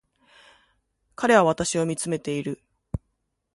彼は私を見つめている